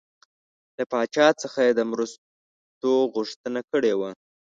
له پاچا څخه یې د مرستو غوښتنه کړې وه.